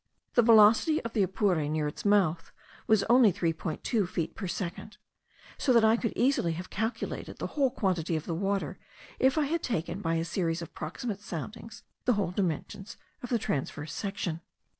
The velocity of the Apure near its mouth was only 3.2 feet per second; so that I could easily have calculated the whole quantity of the water if I had taken, by a series of proximate soundings, the whole dimensions of the transverse section.